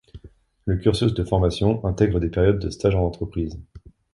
Le cursus de formation intègre des périodes de stage en entreprise.